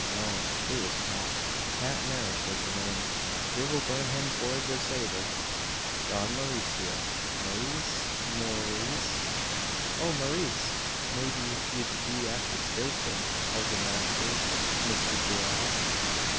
No; it was Pat. Pat Marrish was the name divil burn him for a desaver!" "Don Mauricio Mor rees Mor ees." "Oh! Maurice! Maybe ye'd be after spakin' av the masther Misther Gerrald!"